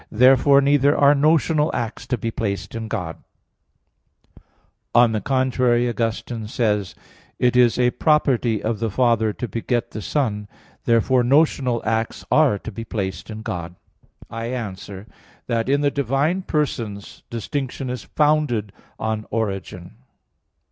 Therefore neither are notional acts to be placed in God. On the contrary, Augustine (Fulgentius, De Fide ad Petrum ii) says: "It is a property of the Father to beget the Son." Therefore notional acts are to be placed in God. I answer that, In the divine persons distinction is founded on origin.